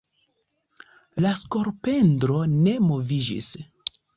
La skolopendro ne moviĝis.